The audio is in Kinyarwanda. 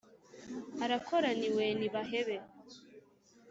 arakoraniwe nibahebe.